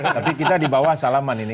tapi kita di bawah salaman ini